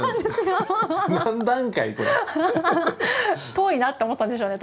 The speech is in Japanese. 遠いなって思ったんでしょうね